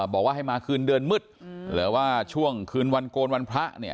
บอกว่าให้มาคืนเดือนมืดหรือว่าช่วงคืนวันโกนวันพระเนี่ย